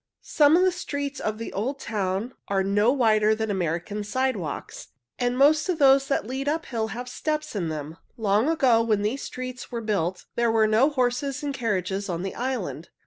Some of the streets of the little old town are no wider than American sidewalks, and most of those that lead uphill have steps in them. Long ago, when these streets were built, there were no horses and carriages on the island.